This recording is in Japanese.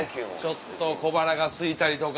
ちょっと小腹がすいたりとか。